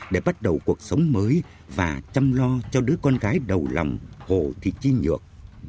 để bắt đầu cuộc sống mới và chăm lo cho đứa con gái đầu lòng hồ thị chi nhược